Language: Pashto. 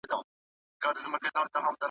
هیواد د زوال په لور روان دی.